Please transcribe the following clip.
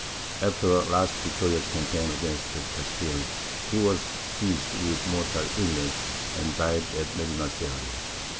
After a last victorious campaign against Castile, he was seized with mortal illness, and died at Medinaceli.